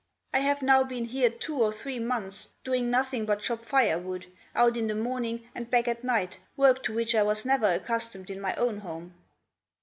I have now been here two or three months, doing nothing but chop firewood, out in the morning and back at night, work to which I was never accustomed in my own home."